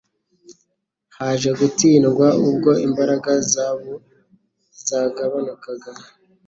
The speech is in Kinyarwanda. baje gutsindwa ubwo imbaraga za bo zagabanukaga.